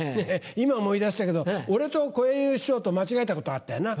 今思い出したけど俺と小圓遊師匠と間違えたことあったよな。